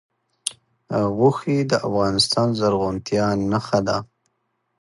غوښې د افغانستان د زرغونتیا نښه ده.